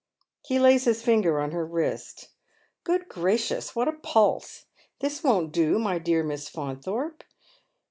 He lays his finger on her wrist. " Good gracious, what a pulse ! Tuis won't do, my dear Miss Faunthorpe.